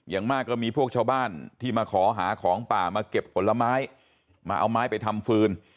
อย่างมากก็มีพวกชาวบ้านที่มาขอหาของป่ามาเก็บผลไม้มาเอาไม้ไปทำฟืน